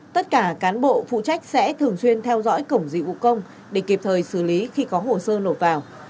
tất cả cán bộ phụ trách sẽ thường xuyên theo dõi cổng dịch vụ công để kịp thời xử lý khi có hồ sơ nộp vào